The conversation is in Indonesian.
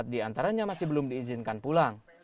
empat diantaranya masih belum diizinkan pulang